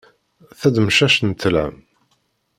Tademcact n ṭlam.